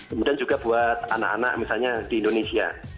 kemudian juga buat anak anak misalnya di indonesia